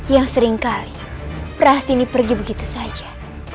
yang seringkali perasaan ini pergi begitu saja